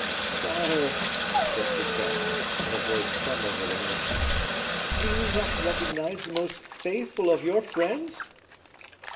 "Sire," said Fouquet, in a voice trembling with emotion, "do you not recognize the most faithful of your friends?"